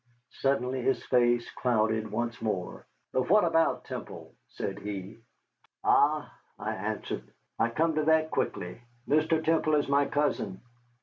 Suddenly his face clouded once more. "But what about Temple?" said he. "Ah," I answered, "I come to that quickly. Mr. Temple is my cousin.